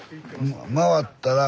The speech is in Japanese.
回ったら。